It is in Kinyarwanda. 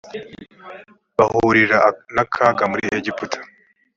bahurira n akaga muri egiputa